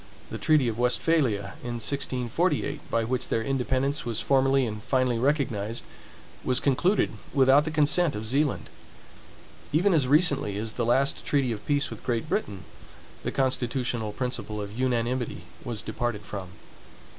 The treaty of Westphalia, in 1648, by which their independence was formerly and finally recognized, was concluded without the consent of Zealand. Even as recently as the last treaty of peace with Great Britain, the constitutional principle of unanimity was departed from.